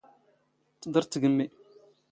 ⵜⴹⵕ ⴷ ⵜⴳⵎⵎⵉ.